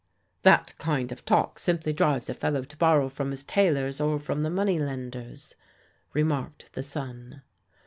" That kind of talk simply drives a fellow to borrow TBEVOE TBELAWNEY 121 from his tailors or from the money lenders/' remarked the son.